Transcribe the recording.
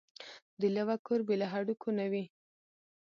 د لېوه کور بې له هډوکو نه وي.